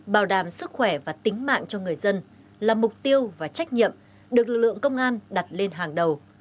bảo đảm sức khỏe và tính mạng cho người dân là mục tiêu và trách nhiệm được lực lượng công an đặt lên hàng đầu